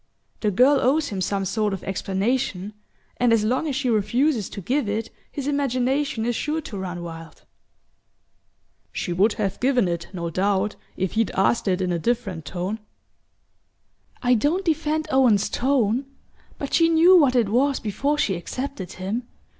The girl owes him some sort of explanation, and as long as she refuses to give it his imagination is sure to run wild." "She would have given it, no doubt, if he'd asked it in a different tone." "I don't defend Owen's tone but she knew what it was before she accepted him.